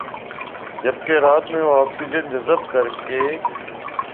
جبکہ رات میں وہ آکسیجن جذب کرکے